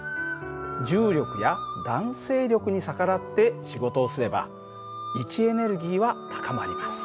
重力や弾性力に逆らって仕事をすれば位置エネルギーは高まります。